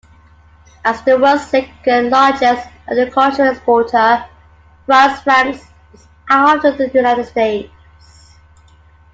As the world's second-largest agricultural exporter, France ranks just after the United States.